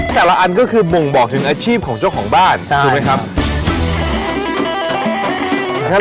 อันก็คือบ่งบอกถึงอาชีพของเจ้าของบ้านถูกไหมครับ